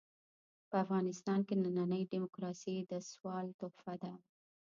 په افغانستان کې ننۍ ډيموکراسي د سوال تحفه ده.